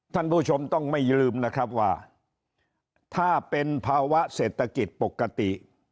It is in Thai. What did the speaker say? ท่านผู้ชมต้องไม่ลืมนะครับว่าถ้าเป็นภาวะเศรษฐกิจปกติ